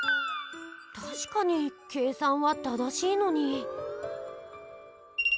たしかに計算は正しいのに。